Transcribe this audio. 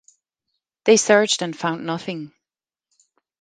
They searched and found nothing.